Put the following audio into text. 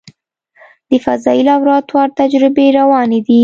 د فضایي لابراتوار تجربې روانې دي.